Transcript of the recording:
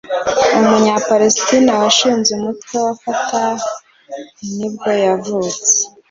umunyapalestine washinze umutwe wa Fatah nibwo yavutse